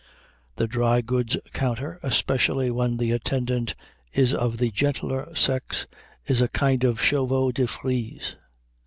The drygoods counter, especially when the attendant is of the gentler sex, is a kind of chevaux de frise.